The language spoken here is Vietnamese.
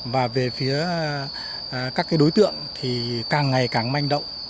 và về phía các đối tượng thì càng ngày càng manh động